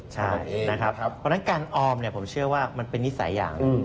ใช่นะครับเพราะฉะนั้นการออมผมเชื่อว่ามันเป็นนิสัยอย่าง